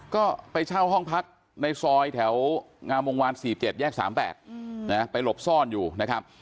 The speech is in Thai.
ก็ไปเช่าห้องพักในซอยแถวงามวงวาน๔๗แยก๓๘ไปหลบซ่อนอยู่นะครับ